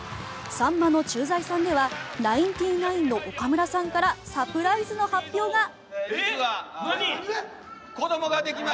「さんまの駐在さん」ではナインティナインの岡村さんからサプライズの発表が。